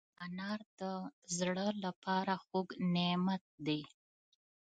انار د زړه له پاره خوږ نعمت دی.